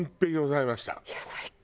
いや最高！